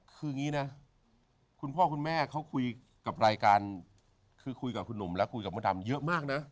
คืออย่างนี้นะคุณพ่อคุณแม่เขาคุยกับรายการคือคุยกับคุณหนุ่มและคุยกับมดดำเยอะมากนะ